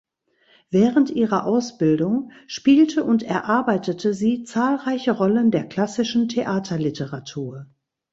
Während ihrer Ausbildung spielte und erarbeitete sie zahlreiche Rollen der klassischen Theaterliteratur.